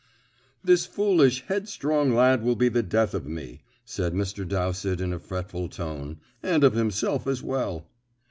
"This foolish, headstrong lad will be the death of me," said Mr. Dowsett in a fretful tone, "and of himself as well."